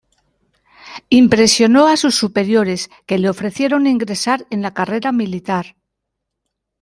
Impresionó a sus superiores, que le ofrecieron ingresar en la carrera militar.